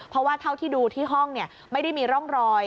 เพราะว่าเท่าที่ดูที่ห้องไม่ได้มีร่องรอย